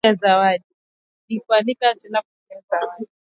Ukinialika nitakwenda kukununulia zawadi